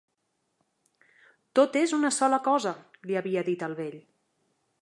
"Tot és una sola cosa", li havia dit el vell.